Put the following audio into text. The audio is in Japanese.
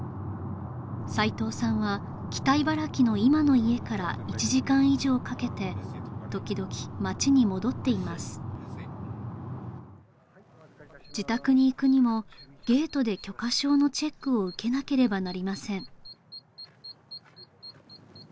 齊藤さんは北茨城の今の家から１時間以上かけて時々町に戻っています自宅に行くにもゲートで許可証のチェックを受けなければなりません